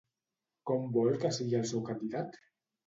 Com vol que sigui el seu candidat?